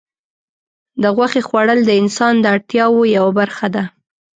د غوښې خوړل د انسان د اړتیاوو یوه برخه ده.